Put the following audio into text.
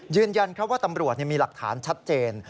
ยืนยันว่าตำรวจมีหลักฐานชัดเจน